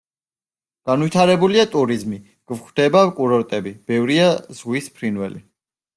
განვითარებულია ტურიზმი, გვხვდება კურორტები, ბევრია ზღვის ფრინველი.